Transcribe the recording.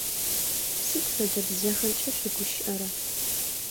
Сыд фэдэ бзэхэмкӏэ шъугущыӏэра?